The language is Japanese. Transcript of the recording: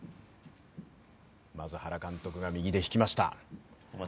まず原監督が、右で引きました。